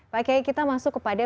pak kiai kita masuk kepada